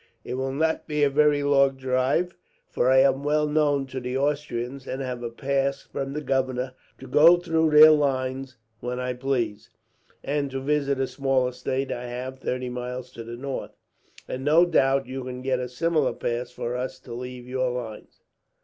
It will not be a very long drive, for I am well known to the Austrians, and have a pass from the governor to go through their lines when I please, and to visit a small estate I have, thirty miles to the north. And no doubt you can get a similar pass for us to leave your lines."